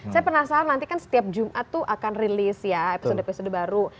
saya penasaran nanti kan setiap jumat tuh akan rilis ya episode episode baru